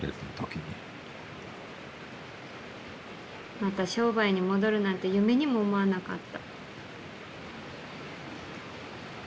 また商売に戻るなんて夢にも思わなかった。